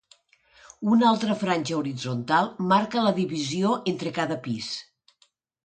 Una altra franja horitzontal marca la divisió entre cada pis.